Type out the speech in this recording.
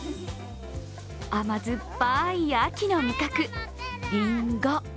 甘酸っぱい秋の味覚りんご。